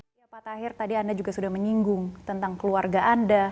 pada saat ini pak tahir tadi anda juga sudah menyinggung tentang keluarga anda